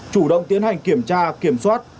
chủ động tiến hành kiểm tra kiểm soát